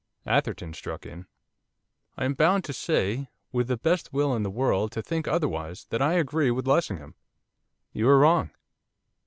Atherton struck in. 'I am bound to say, with the best will in the world to think otherwise, that I agree with Lessingham.' 'You are wrong.